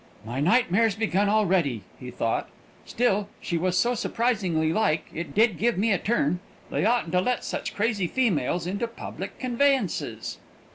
"My nightmare's begun already," he thought. "Still, she was so surprisingly like, it did give me a turn. They oughtn't to let such crazy females into public conveyances!"